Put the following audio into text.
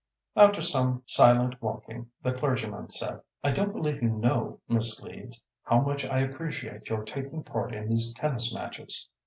After some silent walking the clergyman said: "I don't believe you know, Miss Leeds, how much I appreciate your taking part in these tennis matches.